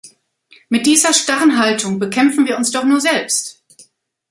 Mit dieser starren Haltung bekämpfen wir uns doch nur selbst!